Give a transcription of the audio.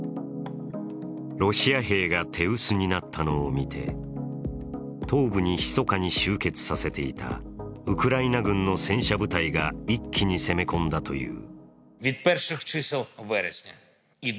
ロシア兵が手薄になったのを見て東部に密かに集結させていたウクライナ軍の戦車部隊が一気に攻め込んだという。